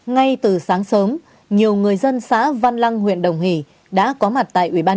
ngay từ sáng sớm nhiều người dân xã văn lăng huyện đồng hỷ đã có mặt tại ubnd